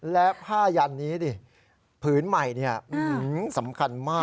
และผ้ายันนี้ดิผืนใหม่สำคัญมาก